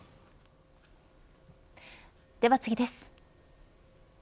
では次です。